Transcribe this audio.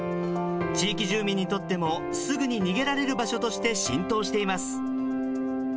地域住民にとってもすぐに逃げられる場所として浸透しています。